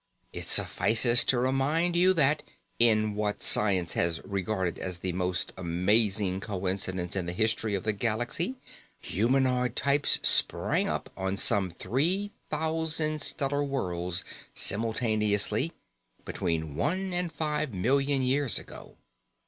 It suffices to remind you that, in what science has regarded as the most amazing coincidence in the history of the galaxy, humanoid types sprang up on some three thousand stellar worlds simultaneously between one and five million years ago.